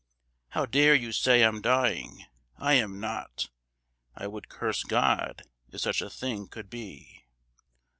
How dare you say I'm dying! I am not. I would curse God if such a thing could be.